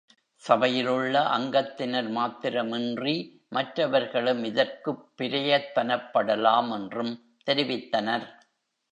சபையிலுள்ள அங்கத்தினர் மாத்திரமின்றி, மற்றவர்களும் இதற்குப் பிரயத்தனப்படலாம் என்றும் தெரிவித்தனர்.